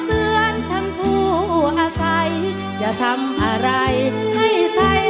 ขอเตือนท่านผู้อาศัยอย่าทำอะไรให้ไทยล้าอาวราญ